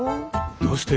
どうして？